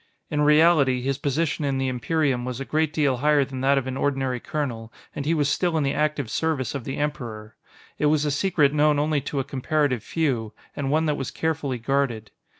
In reality, his position in the Imperium was a great deal higher than that of an ordinary colonel, and he was still in the active service of the Emperor. It was a secret known only to a comparative few, and one that was carefully guarded.